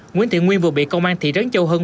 nguyễn thị nguyên vừa bị công an thị trấn châu hưng